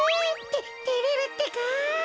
ててれるってか。